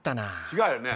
違うよね？